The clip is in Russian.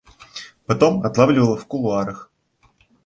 Потом отлавливал в кулуарах.